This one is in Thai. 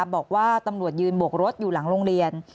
บอกว่าตำรวจยืนบกรถอยู่หลังโรงเรียน